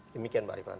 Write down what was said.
demikian mbak rifat